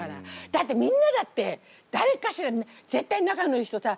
だってみんなだって誰かしら絶対仲のいい人さ